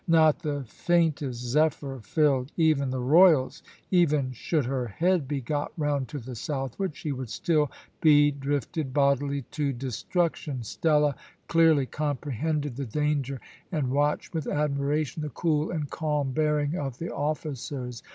Not the faintest zephyr filled even the royals. Even should her head be got round to the southward, she would still be drifted bodily to destruction. Stella clearly comprehended the danger, and watched with admiration the cool and calm bearing of the officers.